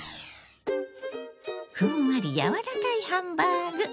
ふんわり柔らかいハンバーグ。